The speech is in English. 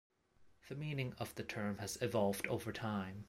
The meaning of the term has evolved over time.